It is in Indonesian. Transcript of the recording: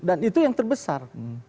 dan itu yang terbesar